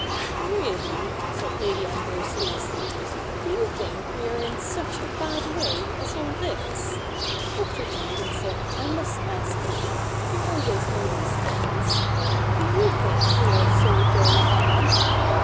' Really,' said Lady Ambrose to Leslie, ' do you think we are in such a bad way as all this ? Dr. Jenkinson, I must ask you — you always know these things — do you think we are so very bad